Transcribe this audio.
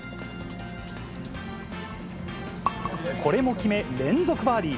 これも決め、連続バーディー。